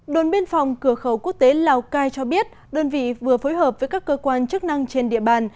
đồn biên phòng cửa khẩu quốc tế lào cai cho biết đơn vị vừa phối hợp với các cơ quan chức năng trên địa bàn